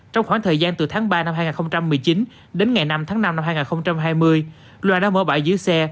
trong khoảng thời gian từ tháng ba năm hai nghìn một mươi chín đến ngày năm tháng năm năm hai nghìn hai mươi loa đã mở bãi giữ xe